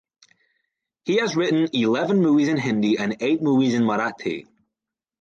He has written eleven movies in Hindi and eight movies in Marathi.